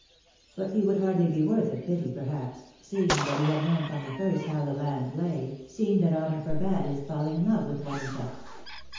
But he would hardly be worthy of pity, perhaps, seeing that he had known from the first how the land lay, seeing that honour forbade his falling in love with Juanita.